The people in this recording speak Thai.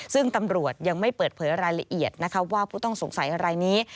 ซึ่งตำรวจยังไม่เปิดเผยรายละเอียดนะคะว่าผู้ต้องสงสัยอะไรนี้